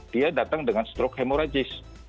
dia datang dengan stroke hemoragis